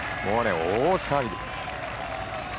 大騒ぎ。